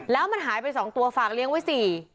แล้วมันหายไป๒ตัวฝากเลี้ยงไว้๔